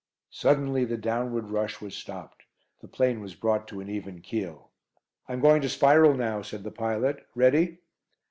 Suddenly the downward rush was stopped. The plane was brought to an even keel. "I'm going to spiral now," said the pilot. "Ready?"